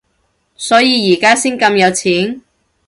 所以而家先咁有錢？